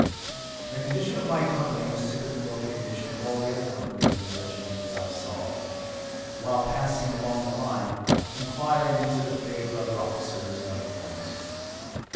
The condition of my company was typical of the condition of all the other companies in the regiment as I saw, while passing along the line inquiring into the fate of brother officers and other friends.